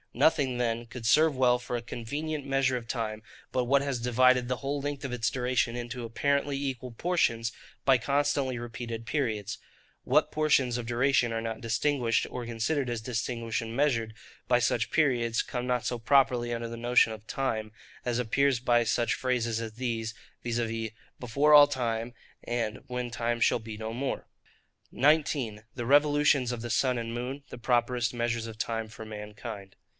Nothing then could serve well for a convenient measure of time, but what has divided the whole length of its duration into apparently equal portions, by constantly repeated periods. What portions of duration are not distinguished, or considered as distinguished and measured, by such periods, come not so properly under the notion of time; as appears by such phrases as these, viz. 'Before all time,' and 'When time shall be no more.' 19. The Revolutions of the Sun and Moon, the properest Measures of Time for mankind.